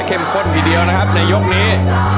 ข้นทีเดียวนะครับในยกนี้